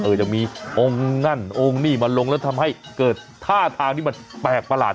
ยังมีองค์นั่นองค์นี่มาลงแล้วทำให้เกิดท่าทางที่มันแปลกประหลาด